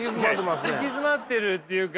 行き詰まってるっていうか。